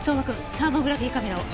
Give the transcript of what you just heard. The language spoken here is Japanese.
サーモグラフィーカメラを。